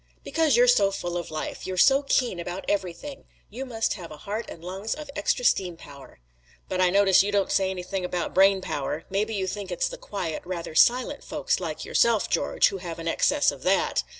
"Because you're so full of life. You're so keen about everything. You must have a heart and lungs of extra steam power." "But I notice you don't say anything about brain power. Maybe you think it's the quiet, rather silent fellows like yourself, George, who have an excess of that."